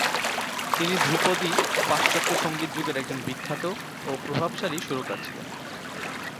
তিনি ধ্রুপদী পাশ্চাত্য সঙ্গীত যুগের একজন বিখ্যাত ও প্রভাবশালী সুরকার ছিলেন।